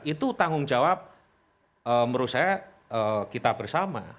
itu tanggung jawab menurut saya kita bersama